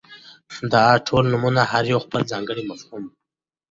داټول نومونه هر يو خپل ځانګړى مفهوم ،